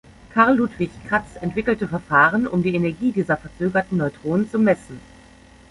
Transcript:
Karl-Ludwig Kratz entwickelte Verfahren, um die Energie dieser verzögerten Neutronen zu messen.